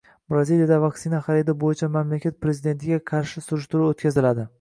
Braziliyada vaksina xaridi bo‘yicha mamlakat prezidentiga qarshi surishtiruv o‘tkaziladi